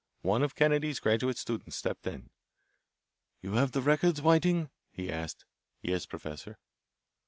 One of Kennedy's graduate students stepped in. "You have the records, Whiting" he asked. "Yes, Professor."